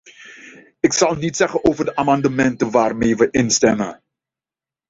Ik zal niets zeggen over de amendementen waarmee we instemmen.